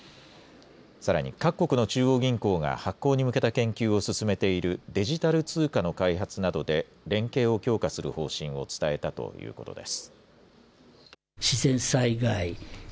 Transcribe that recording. さらに各国の中央銀行が発行に向けた研究を進めているデジタル通貨の開発などで連携を強化する方針を伝えたということです。